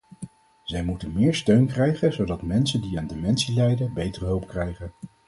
Zij moeten meer steun krijgen, zodat mensen die aan dementie lijden betere hulp krijgen.